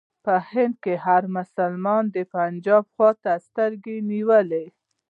په هند کې هر مسلمان د پنجاب خواته سترګې نیولې.